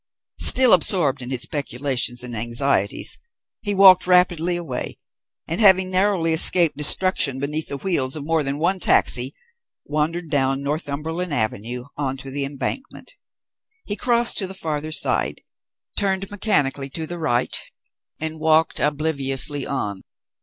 Still absorbed in his speculations and anxieties, he walked rapidly away, and, having narrowly escaped destruction beneath the wheels of more than one taxi, wandered down Northumberland Avenue on to the Embankment. He crossed to the farther side, turned mechanically to the right and walked obliviously on.